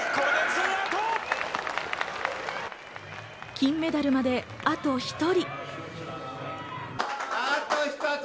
金メダルまで、あと１人。